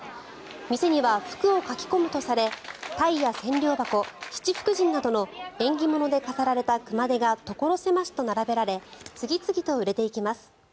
店には福をかき込むとされタイや千両箱、七福神などの縁起物で飾られた熊手が所狭しと並べられ次々と売れていきます。